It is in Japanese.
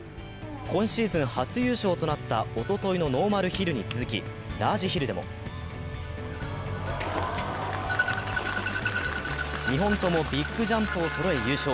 今シーズン初優勝となったおとといのノーマルヒルに続きラージヒルでも２本ともビッグジャンプをそろえ、優勝。